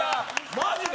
マジで？